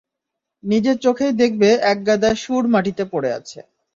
নিজের চোখেই দেখবে এক গাদা শুঁড় মাটিতে পরে আছে!